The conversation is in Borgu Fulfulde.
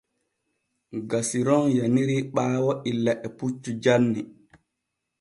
Gasiron yaniri ɓaayo illa e puccu janni.